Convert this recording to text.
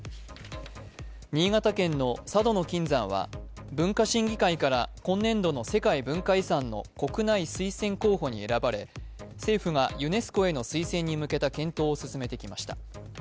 新潟県の佐渡の金山は、文化審議会から今年度の世界文化遺産の国内推薦候補に選ばれ、政府がユネスコへの推薦に向けた検討を進めてきました。